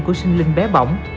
của sinh linh bé bỏng